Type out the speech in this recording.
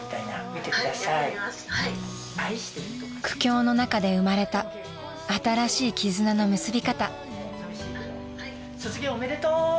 ［苦境の中で生まれた新しい絆の結び方］